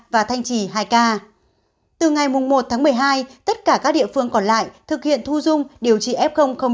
và thanh trì hai k từ ngày một tháng một mươi hai tất cả các địa phương còn lại thực hiện thu dung điều trị f một